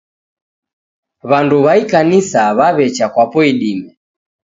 W'andu wa ikanisa wawe'cha kwapo idime